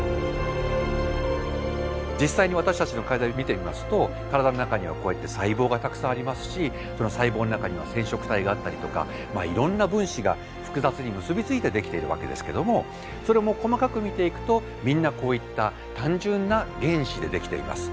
実際に私たちの体を見てみますと体の中にはこうやって細胞がたくさんありますしその細胞の中には染色体があったりとかいろんな分子が複雑に結び付いてできているわけですけどもそれも細かく見ていくとみんなこういった単純な原子でできています。